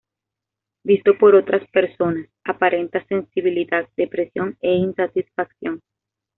Visto por otras personas, aparenta sensibilidad, depresión e insatisfacción.